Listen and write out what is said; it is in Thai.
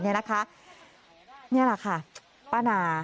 นี่แหละค่ะป้านา